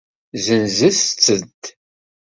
Zenzent-tent?